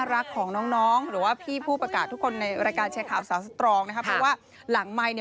แล้วน้องปีใหม่ลูกสาวแม่แอฟ